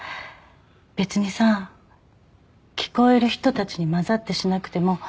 別にさ聞こえる人たちに交ざってしなくても。